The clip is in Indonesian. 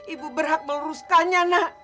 ibu berhak meluruskannya nak